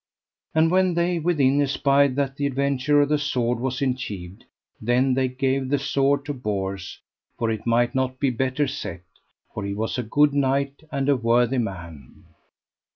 And when they within espied that the adventure of the sword was enchieved, then they gave the sword to Bors, for it might not be better set; for he was a good knight and a worthy man.